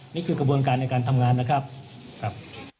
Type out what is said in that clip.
นี่คือกระบวนการในการทำงานนะครับครับ